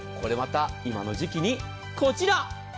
今の時期にこちら。